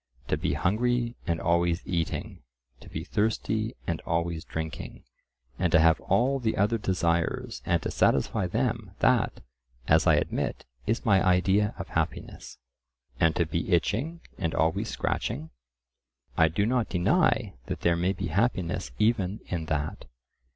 To be hungry and always eating, to be thirsty and always drinking, and to have all the other desires and to satisfy them, that, as I admit, is my idea of happiness." And to be itching and always scratching? "I do not deny that there may be happiness even in that."